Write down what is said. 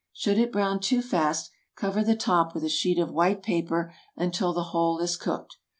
Should it brown too fast, cover the top with a sheet of white paper until the whole is cooked.